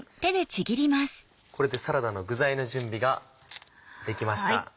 これでサラダの具材の準備ができました。